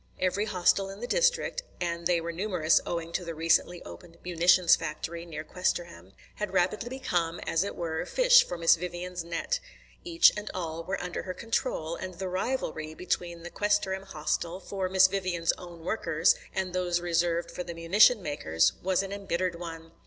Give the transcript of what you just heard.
Every Hostel in the district, and they were numerous owing to the recently opened Munitions Factory near Questerham, had rapidly become, as it were, fish for Miss Vivian's net. Each and all were under her control, and the rivalry between the Questerham Hostel "for Miss Vivian's own workers" and those reserved for the munition makers was an embittered one.